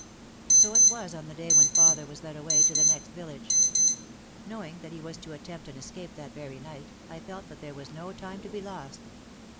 So it was on the day when father was led away to the next village. Knowing that he was to attempt an escape that very night, I felt that there was no time to be lost.